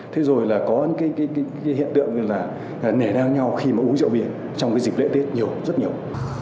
thế rồi là có những cái hiện tượng như là nể đang nhau khi mà uống rượu bia trong cái dịp lễ tết nhiều rất nhiều